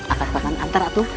akan paham antara itu